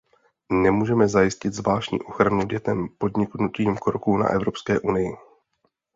Nemůžeme zajistit zvláštní ochranu dětem podniknutím kroků na evropské úrovni.